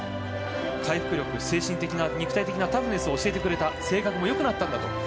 回復力、精神的な肉体的なタフネスを教えてくれた性格もよくなったんだと。